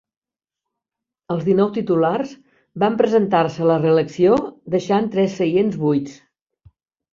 Els dinou titulars van presentar-se a la reelecció deixant tres seients buits.